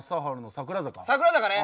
「桜坂」ね！